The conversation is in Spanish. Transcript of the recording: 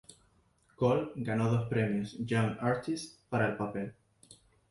Call ganó dos premios Young Artist para el papel.